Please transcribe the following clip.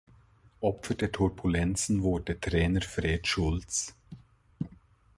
Opfer der Turbulenzen wurde Trainer Fred Schulz.